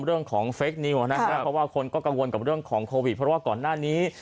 เรื่องของเฟคนิวนะครับเพราะว่าคนก็กังวลกับเรื่องของโควิดเพราะว่าก่อนหน้านี้